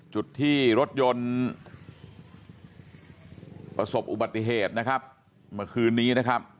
จุดที่รถยนต์ประสบอุบัติเหตุเมื่อคืนนี้